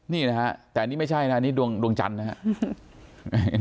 นี่นะฮะแต่อันนี้ไม่ใช่นะอันนี้ดวงดวงจันทร์นะฮะ